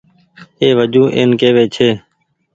اي وجون اين ڪيوي ڇي